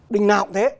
đình nào cũng thế